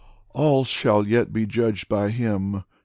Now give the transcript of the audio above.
All shall yet be judged by Him.